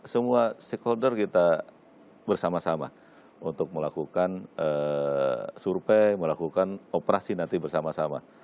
semua stakeholder kita bersama sama untuk melakukan survei melakukan operasi nanti bersama sama